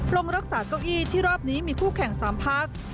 ลงรักษาเก้าอี้ที่รอบนี้มีคู่แข่ง๓พัก